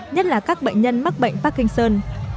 nhất là các bệnh nhân mắc bệnh parkinson